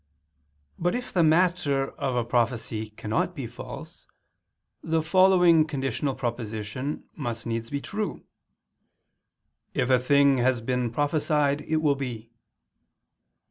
But if the matter of a prophecy cannot be false, the following conditional proposition must needs be true: "If a thing has been prophesied, it will be."